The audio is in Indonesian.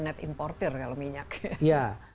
net importer kalau minyak